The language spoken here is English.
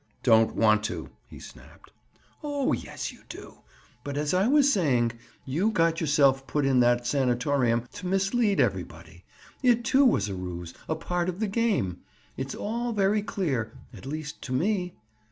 "Don't want to," he snapped. "Oh, yes, you do. But as I was saying, you got yourself put in that sanatorium to mislead everybody. It, too, was a ruse—a part of the game. It's all very clear—at least, to me!"